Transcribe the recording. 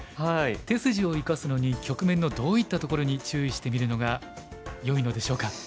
手筋を生かすのに局面のどういったところに注意して見るのがよいのでしょうか？